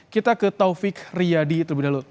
kita ke taufik riyadi terlebih dahulu